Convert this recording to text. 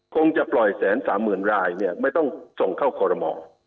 คงจะปล่อยแสนสามหมื่นรายเนี่ยไม่ต้องส่งเข้าคอรมอ